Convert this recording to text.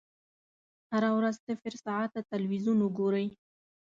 هره ورځ صفر ساعته ټلویزیون وګورئ.